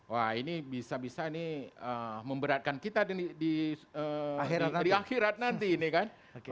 wah ini bisa bisa ini memberatkan kita di akhirat nanti ini kan